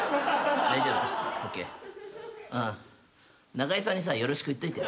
中居さんにさよろしく言っといて。